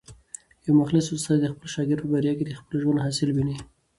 یو مخلص استاد د خپل شاګرد په بریا کي د خپل ژوند حاصل ویني.